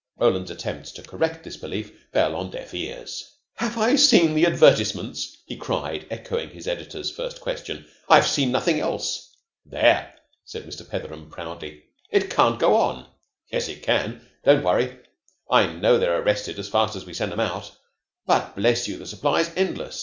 Roland's attempts to correct this belief fell on deaf ears. "Have I seen the advertisements?" he cried, echoing his editor's first question. "I've seen nothing else." "There!" said Mr. Petheram proudly. "It can't go on." "Yes, it can. Don't you worry. I know they're arrested as fast as we send them out, but, bless you, the supply's endless.